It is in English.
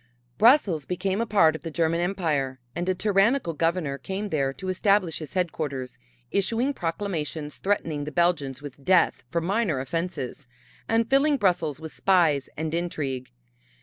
Brussels became a part of the German Empire and a tyrannical governor came there to establish his headquarters, issuing proclamations threatening the Belgians with death for minor offenses, and filling Brussels with spies and intrigue.